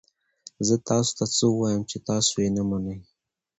زه تاسو ته څه ووایم چې تاسو یې نه منئ؟